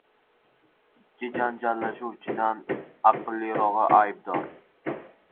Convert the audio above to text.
• Ikki janjallashuvchidan aqllirog‘i — aybdor.